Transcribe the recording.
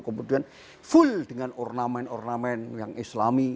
kemudian full dengan ornamen ornamen yang islami